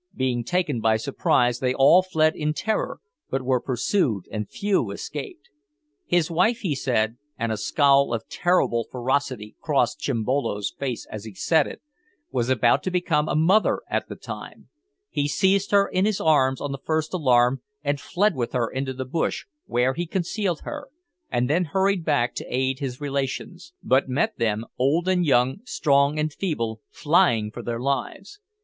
Being taken by surprise, they all fled in terror, but were pursued and few escaped. His wife, he said and a scowl of terrible ferocity crossed Chimbolo's face as he said it was about to become a mother at the time. He seized her in his arms on the first alarm, and fled with her into the bush, where he concealed her, and then hurried back to aid his relations, but met them old and young, strong and feeble flying for their lives.